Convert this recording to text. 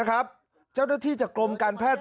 ค่ะครับเจ้าหน้าที่จากกรมการแพทย์แผนไทย